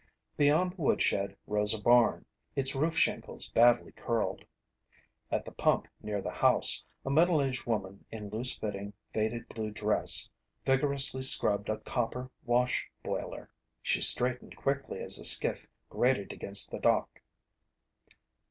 Beyond the woodshed rose a barn, its roof shingles badly curled. At the pump near the house, a middle aged woman in loose fitting faded blue dress, vigorously scrubbed a copper wash boiler. She straightened quickly as the skiff grated against the dock.